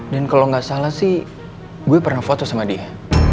dan kalau nggak salah sih gue pernah foto sama dia